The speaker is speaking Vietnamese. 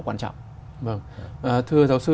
quan trọng thưa giáo sư